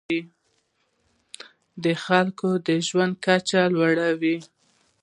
د خلکو د ژوند کچه لوړوي.